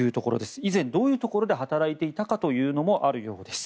以前、どういうところで働いていたかというのもあるようです。